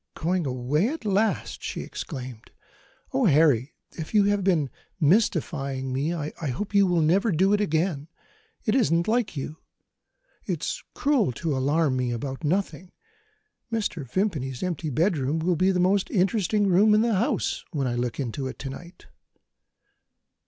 "Going away, at last!" she exclaimed. "Oh, Harry, if you have been mystifying me, I hope you will never do it again. It isn't like you; it's cruel to alarm me about nothing. Mr. Vimpany's empty bedroom will be the most interesting room in the house, when I look into it to night."